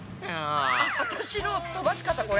私の飛ばし方これ。